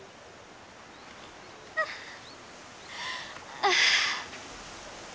ああ。